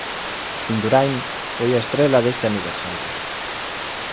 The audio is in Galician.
Induráin foi a estrela deste aniversario.